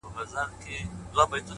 اوس به څوك راويښوي زاړه نكلونه،